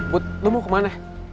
put lo mau kemana